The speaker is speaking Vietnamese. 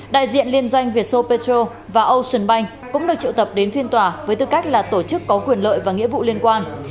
đại diện liên doanh vietso petro và ocean bank cũng được triệu tập đến phiên tòa với tư cách là tổ chức có quyền lợi và nghĩa vụ liên quan